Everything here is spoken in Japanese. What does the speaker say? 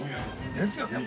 ◆ですよね。